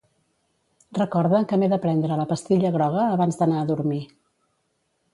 Recorda que m'he de prendre la pastilla groga abans d'anar a dormir.